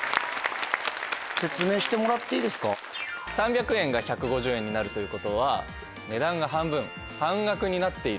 ３００円が１５０円になるということは値段が半分半額になっている。